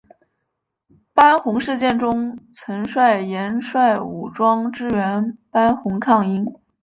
班洪事件中曾率岩帅武装支援班洪抗英。